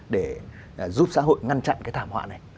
để giúp xã hội ngăn chặn cái thảm họa này